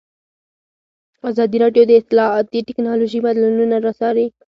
ازادي راډیو د اطلاعاتی تکنالوژي بدلونونه څارلي.